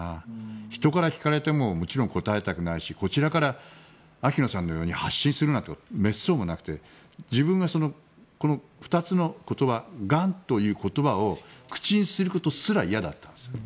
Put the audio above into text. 人から聞かれてももちろん答えたくないしこちらから秋野さんのように発信するなんてことめっそうもなくて自分が２つの言葉がんという言葉を口にすることすら嫌だったんです。